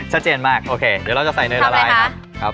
จะเจนมากเดี๋ยวเราจะใส่เนื้อลายนะครับ